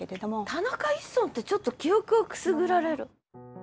田中一村ってちょっと記憶をくすぐられる。